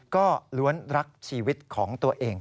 ก็ล้วนรักชีวิตของตัวเอง